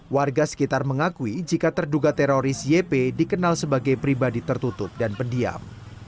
warga sekitar mengakui jika terduga teroris yp dikenal sebagai pribadi tertutup dan pendiam